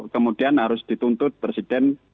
kemudian harus dituntut presiden